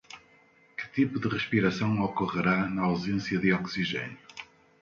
Que tipo de respiração ocorrerá na ausência de oxigênio?